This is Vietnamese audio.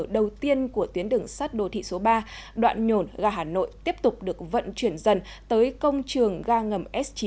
đầu tiên của tuyến đường sắt đô thị số ba đoạn nhổn ga hà nội tiếp tục được vận chuyển dần tới công trường ga ngầm s chín